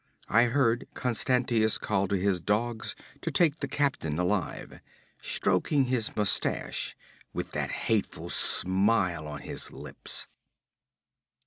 I heard Constantius call to his dogs to take the captain alive stroking his mustache, with that hateful smile on his lips!'